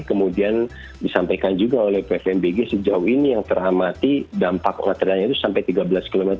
kemudian disampaikan juga oleh pvmbg sejauh ini yang terhamati dampak materialnya itu sampai tiga belas km